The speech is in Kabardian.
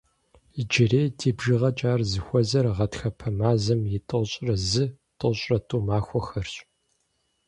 Иджырей ди бжыгъэкӀэ ар зыхуэзэр гъатхэпэ мазэм и тӏощӏрэ зы-тӏощӏрэ тӏу махуэхэрщ.